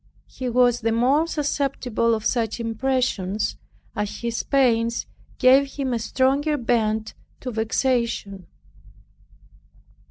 He was the more susceptible of such impressions, as his pains gave him a stronger bent to vexation.